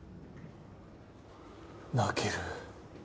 泣ける。